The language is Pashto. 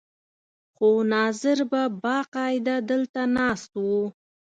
خو ناظر به باقاعده دلته ناست و.